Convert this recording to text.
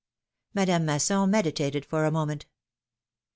^' Madame Masson meditated for a moment.